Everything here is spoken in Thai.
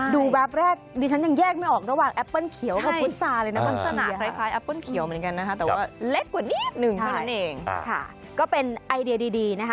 ดูแบบแรกดิฉันยังแยกไม่รอบระหว่างแอปเปิ้ลเขียวกับพุษาเลยนะ